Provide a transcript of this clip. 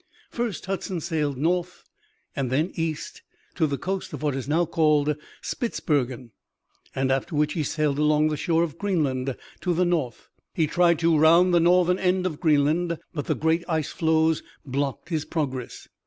First Hudson sailed north and then east, to the coast of what is now called Spitzbergen, after which he sailed along the shore of Greenland to the north. He tried to round the northern end of Greenland, but the great ice floes blocked his progress.